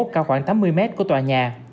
cao khoảng tám mươi mét của tòa nhà